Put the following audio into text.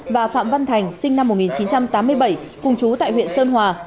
và phạm văn thành sinh năm một nghìn chín trăm tám mươi bảy cùng chú tại huyện sơn hòa